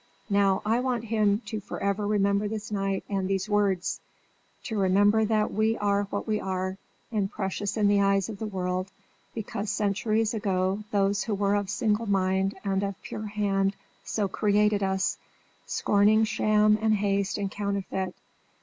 Now, I want him forever to remember this night and these words; to remember that we are what we are, and precious in the eyes of the world, because centuries ago those who were of single mind and of pure hand so created us, scorning sham and haste and counterfeit.